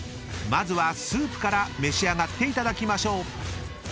［まずはスープから召し上がっていただきましょう］